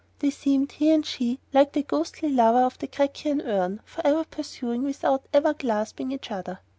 They seemed, he and she, like the ghostly lovers of the Grecian Urn, forever pursuing without ever clasping each other.